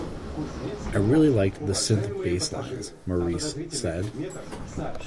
"I really liked the synth bass lines", Maurice said.